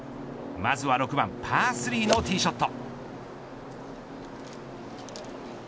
まずは６番パー３のティーショット。